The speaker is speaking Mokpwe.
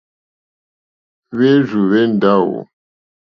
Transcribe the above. Hwérzù hwé ndáwò.